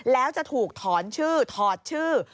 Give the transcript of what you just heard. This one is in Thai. แล้วจะถูกถอนชื่อถอดชื่อ